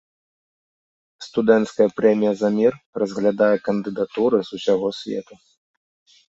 Студэнцкая прэмія за мір разглядае кандыдатуры з усяго свету.